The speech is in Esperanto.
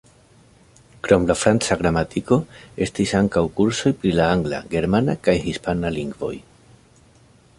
Krom la franca gramatiko, estis ankaŭ kursoj pri la angla, germana kaj hispana lingvoj.